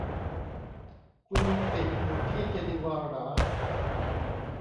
คุณยังติดอยู่ที่เจนีวาหรา